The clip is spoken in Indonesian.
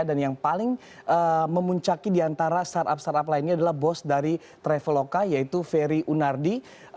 dan yang paling memuncaki di antara startup startup lainnya adalah bos dari traveloka yaitu ferry unardi